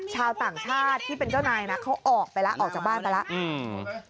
ชาวต่างชาติที่เป็นเจ้านายนะเขาออกไปแล้วออกจากบ้านไปแล้วอืม